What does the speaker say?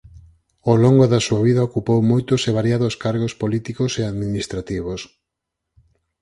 Ó longo da súa vida ocupou moitos e variados cargos políticos e administrativos.